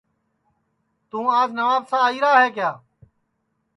توں آج نوابشاہ آئیرا ہے کیا